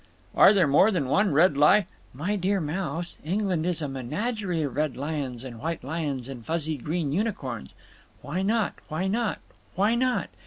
"Are there more than one Red Li—" "My dear Mouse, England is a menagerie of Red Lions and White Lions and fuzzy Green Unicorns…. Why not, why not, _why not!